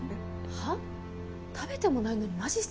はっ？